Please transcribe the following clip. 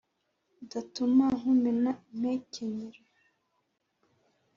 udatuma nkumena impekenyero”